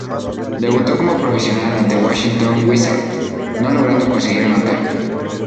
Debutó como profesional ante Washington Wizards, no logrando conseguir anotar.